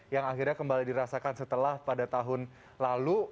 yang akhirnya kembali dirasakan setelah pada tahun lalu